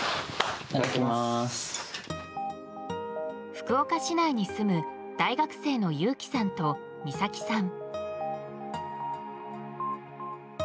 福岡市内に住む大学生の祐樹さんと美咲さん。